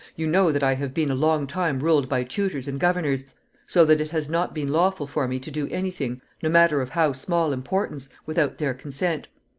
"You know that I have been a long time ruled by tutors and governors, so that it has not been lawful for me to do any thing, no matter of how small importance, without their consent.